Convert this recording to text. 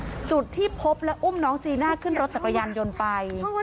จุดที่พบและอุ้มน้องจีน่าขึ้นรถจักรยานยนต์ไป